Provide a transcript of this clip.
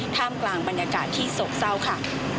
ท่ามกลางบรรยากาศที่โศกเศร้าค่ะ